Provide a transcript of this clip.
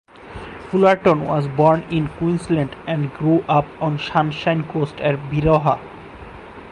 Fullerton was born in Queensland and grew up on the Sunshine Coast at Beerwah.